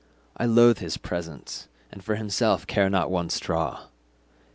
I loathe his presents, and for himself care not one straw.